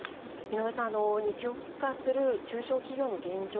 井上さん二極化する中小企業の現状